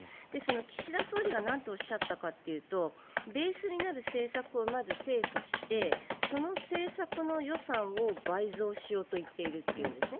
岸田総理がなんとおっしゃったかというとベースになる政策をまず精査してその政策の予算を倍増しようと言っていると言うんですね。